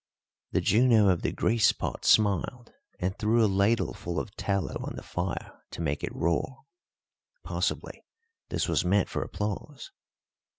The Juno of the grease pot smiled and threw a ladleful of tallow on the fire to make it roar; possibly this was meant for applause.